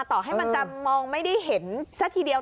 ต่อให้มันจะมองไม่ได้เห็นซะทีเดียว